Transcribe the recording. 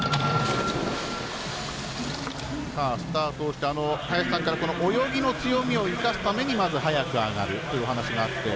スタートをして林さんから、泳ぎの強みを生かすためにまず早く上がるというお話がありまして